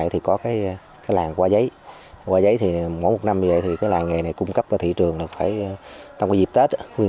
hồ hời với nghề